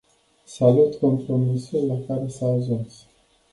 Salut compromisul la care s-a ajuns.